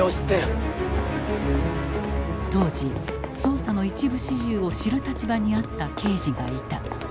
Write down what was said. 当時捜査の一部始終を知る立場にあった刑事がいた。